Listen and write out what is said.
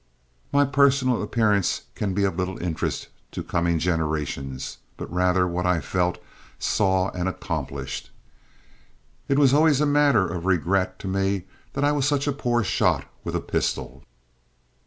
My personal appearance can be of little interest to coming generations, but rather what I felt, saw, and accomplished. It was always a matter of regret to me that I was such a poor shot with a pistol.